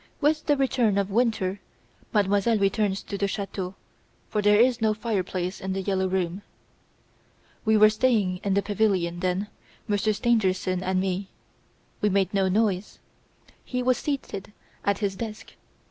With the return of winter, Mademoiselle returns to the chateau, for there is no fireplace in "The Yellow Room". "'We were staying in the pavilion, then Monsieur Stangerson and me. We made no noise. He was seated at his desk.